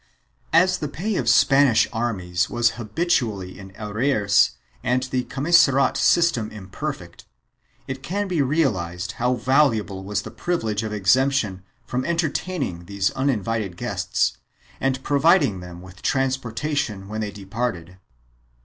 2 As the pay of Spanish armies was habitually in arrears and the commissariat system imperfect, it can be realized how valu able was the privilege of exemption from entertaining these unin vited guests and providing them with transportation when they departed.